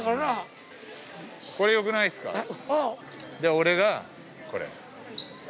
俺がこれ。